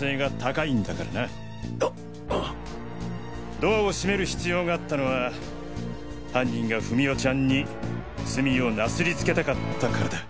ドアを閉める必要があったのは犯人が史緒ちゃんに罪をなすりつけたかったからだ。